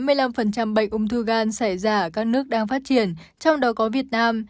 chín mươi năm bệnh ung thư gan xảy ra ở các nước đang phát triển trong đó có việt nam